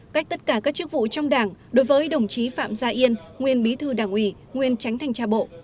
cách tất cả các chức vụ trong đảng đối với đồng chí phạm gia yên nguyên bí thư đảng ủy nguyên tránh thanh tra bộ